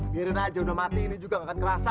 biarin aja udah mati ini juga gak akan kerasa